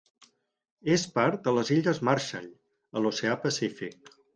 És part de les Illes Marshall a l'Oceà Pacífic.